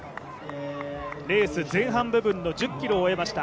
レース前半部分の１０ｋｍを終えました。